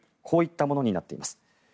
こういったものになっています。